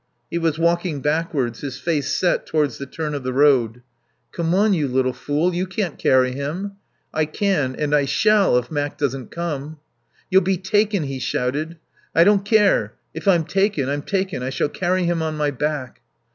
He was walking backwards, his face set towards the turn of the road. "Come on, you little fool. You can't carry him." "I can. And I shall, if Mac doesn't come." "You'll be taken," he shouted. "I don't care. If I'm taken, I'm taken. I shall carry him on my back."